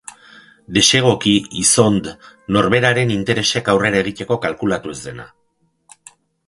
Desegoki, izond. Norberaren interesek aurrera egiteko kalkulatu ez dena.